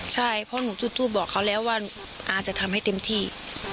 ใช่เพราะหนูจุดทูปบอกเขาแล้วว่าอาจะทำให้เต็มที่